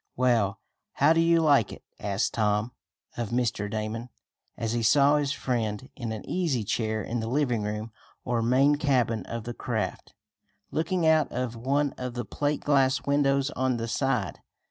"Well, how do you like it?" asked Tom of Mr. Damon, as he saw his friend in an easy chair in the living room or main cabin of the craft, looking out of one of the plate glass windows on the side.